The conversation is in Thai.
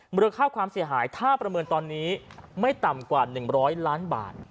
มูลค่าความเสียหายถ้าประเมินตอนนี้ไม่ต่ำกว่า๑๐๐ล้านบาท